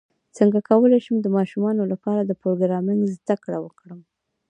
څنګه کولی شم د ماشومانو لپاره د پروګرامینګ زدکړه ورکړم